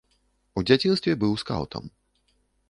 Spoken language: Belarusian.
У дзяцінстве быў скаўтам.